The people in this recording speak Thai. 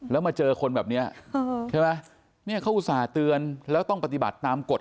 แล้วมาเจอคนแบบนี้ใช่ไหมเนี่ยเขาอุตส่าห์เตือนแล้วต้องปฏิบัติตามกฎ